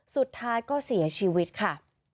สุดท้ายก็เสียชีวิตค่ะ